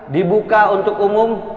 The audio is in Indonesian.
dibuka untuk umum